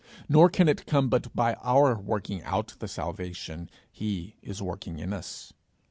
Nor can it come but by our working out the salvation he is working in us.